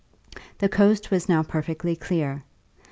The coast was now perfectly clear.